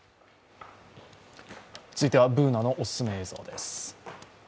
続いてはＢｏｏｎａのおすすめ映像です。